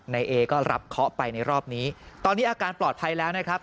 นายเอก็รับเคาะไปในรอบนี้ตอนนี้อาการปลอดภัยแล้วนะครับ